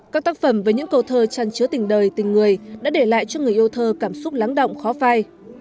các tác phẩm và những câu thơ tràn chứa tình đời tình người đã để lại cho người yêu thơ cảm xúc lắng động khó phai